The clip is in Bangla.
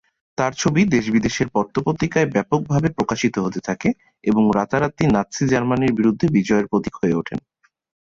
তার ছবি দেশ বিদেশের পত্র-পত্রিকায় ব্যাপকভাবে প্রকাশিত হতে থাকে, এবং রাতারাতি নাৎসি জার্মানির বিরুদ্ধে বিজয়ের প্রতীক হয়ে উঠেন।